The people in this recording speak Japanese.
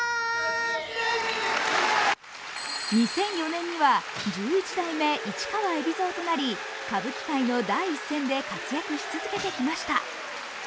２００４年には十一代目市川海老蔵となり歌舞伎界の第一線で活躍し続けてきました。